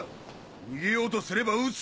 逃げようとすれば撃つ。